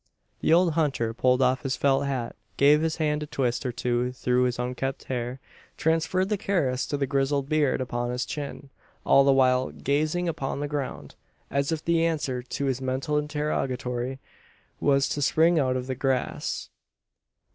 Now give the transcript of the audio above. The old hunter pulled off his felt hat; gave his hand a twist or two through his unkempt hair; transferred the caress to the grizzled beard upon his chin all the while gazing upon the ground, as if the answer to his mental interrogatory was to spring out of the grass.